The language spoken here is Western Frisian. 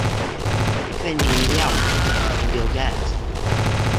Ik wenje yn Ljouwert, yn Bilgaard.